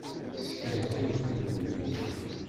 Tessekref-it tugdi.